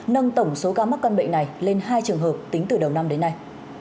nâng tổng số ca mắc căn bệnh này lên hai trường hợp tính từ đầu năm đến nay